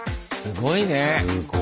すごいね！